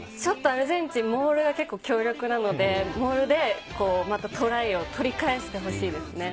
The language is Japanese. アルゼンチン、モールが強力なのでモールで、またトライを取り返してほしいですね。